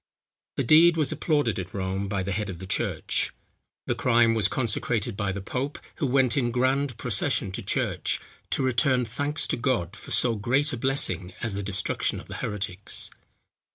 The deed was applauded at Rome, by the head of the church. The crime was consecrated by the pope, who went in grand procession to church, to return thanks to God for so great a blessing as the destruction of the heretics.